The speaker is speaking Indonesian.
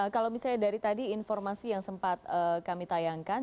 kalau misalnya dari tadi informasi yang sempat kami tayangkan